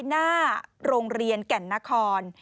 หน้าโรงเรียนแก่นนคร